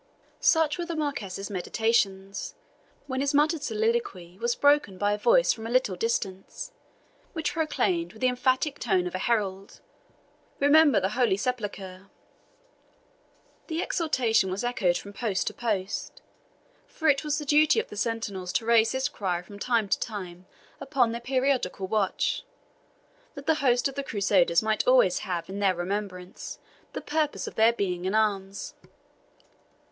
Such were the Marquis's meditations, when his muttered soliloquy was broken by a voice from a little distance, which proclaimed with the emphatic tone of a herald, "Remember the Holy Sepulchre!" The exhortation was echoed from post to post, for it was the duty of the sentinels to raise this cry from time to time upon their periodical watch, that the host of the Crusaders might always have in their remembrance the purpose of their being in arms.